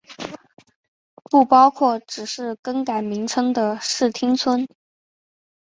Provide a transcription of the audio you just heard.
不包括只是更改名称的市町村。